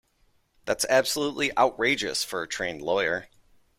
That's absolutely outrageous for a trained lawyer.